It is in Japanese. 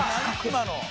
今の」